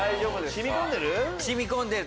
染み込んでる？